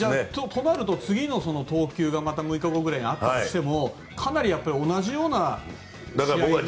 となると次の投球が６日後くらいにあるとしてもかなり同じような試合内容に。